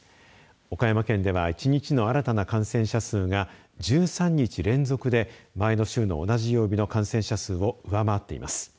岡山県では１日の新たな感染者数が１３日連続で前の週の同じ曜日の感染者数を上回っています。